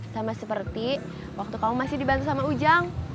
sama seperti waktu kamu masih dibantu sama ujang